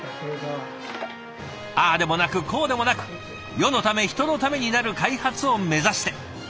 ああでもなくこうでもなく世のため人のためになる開発を目指して。